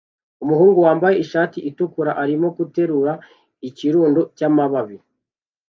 Umuhungu wambaye ishati itukura arimo guterura ikirundo cyamababi